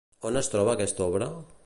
On es troba aquesta obra?